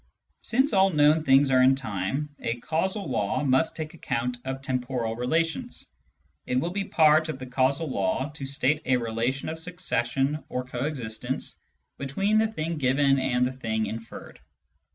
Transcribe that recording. Since all known things are in time, a causal law must take account of temporal relations. It will be part of the causal law to state a relation of succession or coexistence between the thing given and the thing inferred.